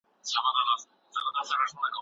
لښتې په خپلو تورو لاسو د شيدو پاکه کڅوړه ونیوله.